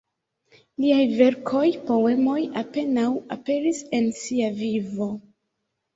Liaj verkoj, poemoj apenaŭ aperis en sia vivo.